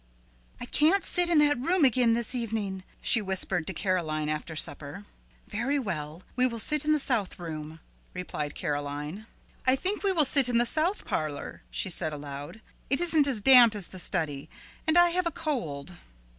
"I can't sit in that room again this evening," she whispered to Caroline after supper. "Very well; we will sit in the south room," replied Caroline. "I think we will sit in the south parlor," she said aloud; "it isn't as damp as the study, and I have a cold."